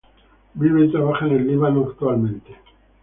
Vive y trabaja en el Líbano actualmente.